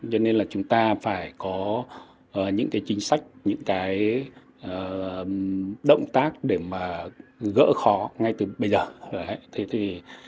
cho nên là chúng ta phải có những chính sách những động tác để gỡ khó ngay từ bây giờ